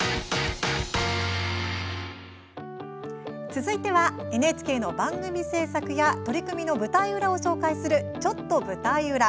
続いてはＮＨＫの番組制作や取り組みの舞台裏を紹介する「ちょっと舞台裏」。